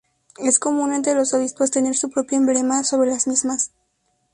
Es común entre los obispos tener su propio emblema sobre las mismas.